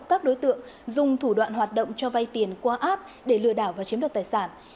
các đối tượng dùng thủ đoạn hoạt động cho vay tiền qua app để lừa đảo và chiếm đoạt tài sản